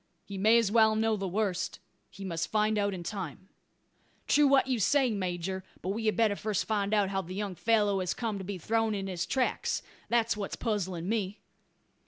"He may as well know the worst. He must find it out in time." "True what you say, major; but we had better first find out how the young fellow has come to be thrown in his tracks. That's what is puzzling me."